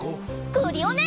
クリオネ！